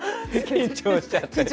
緊張しちゃって。